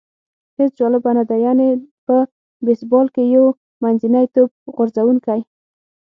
هېڅ جالبه نه ده، یعنې په بېسبال کې یو منځنی توپ غورځوونکی.